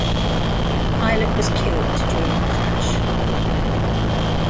The pilot was killed during the crash.